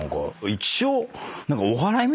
一応。